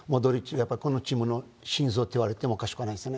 やっぱりこのチームの心臓っていわれてもおかしくはないですね。